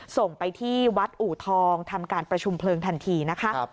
ส่งไปที่วัดอูทองทำการประชุมเพลิงทันทีนะคะ